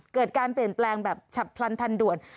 เกิดการเปลี่ยนแปลงแบบฉับพลันทันด่วน